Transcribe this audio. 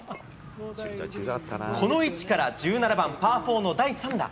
この位置から、１７番パー４の第３打。